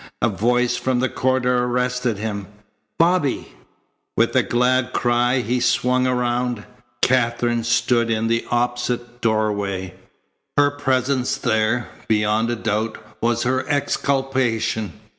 A voice from the corridor arrested him. "Bobby!" With a glad cry he swung around. Katherine stood in the opposite doorway. Her presence there, beyond a doubt, was her exculpation.